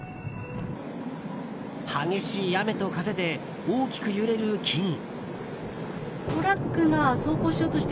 激しい雨と風で大きく揺れる木々。